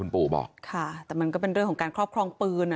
ปู่บอกค่ะแต่มันก็เป็นเรื่องของการครอบครองปืน